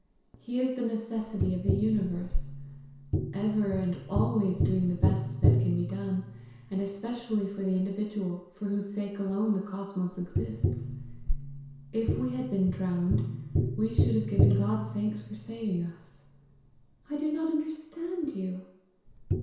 He is the necessity of the universe, ever and always doing the best that can be done, and especially for the individual, for whose sake alone the cosmos exists. If we had been drowned, we should have given God thanks for saving us." "I do not understand you!"